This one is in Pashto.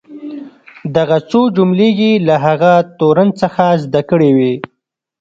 دغه څو جملې یې له هغه تورن څخه زده کړې وې.